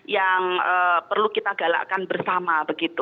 yang perlu kita galakkan bersama begitu